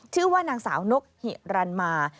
ชื่อว่านางสาวนกหิรันมา